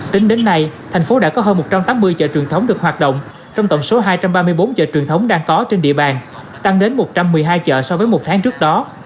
tính đến nay thành phố đã có hơn một trăm tám mươi chợ truyền thống được hoạt động trong tổng số hai trăm ba mươi bốn chợ truyền thống đang có trên địa bàn tăng đến một trăm một mươi hai chợ so với một tháng trước đó